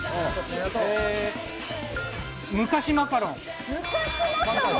昔マカロン。